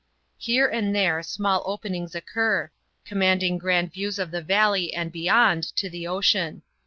Here and there small openings occur, commanding grand views of the valley and beyond to the ocean.